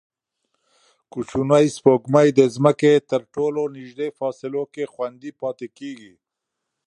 کوچنۍ سپوږمۍ د ځمکې تر ټولو نږدې فاصلو کې خوندي پاتې کېږي.